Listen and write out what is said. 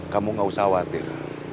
kamu nggak usah khawatir